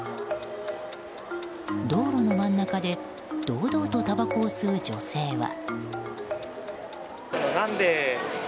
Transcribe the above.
道路の真ん中で堂々とたばこを吸う女性は。